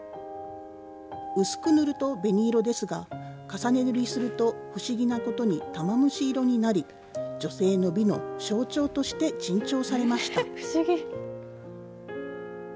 薄く塗ると紅色ですが、重ね塗りすると、不思議なことに玉虫色になり、女性の美の象徴として珍重されました。